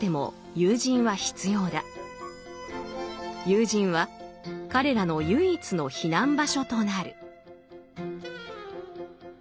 友人は彼らの唯一の避難場所となる。